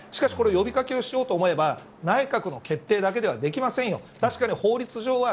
しかし、これ、呼び掛けをしようと思えば内閣の決定だけではできませんよ。